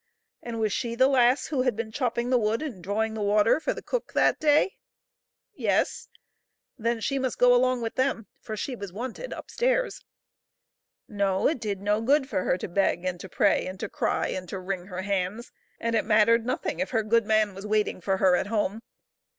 And was she the lass who had been chopping the wood and drawing the water for the cook that day? Yes? Then she must go along with them, for she was wanted up stairs. No ; it did no good for her to beg and to pray and to cry and to wring her hands, and it mat tered nothing if her good man was waiting for her at home.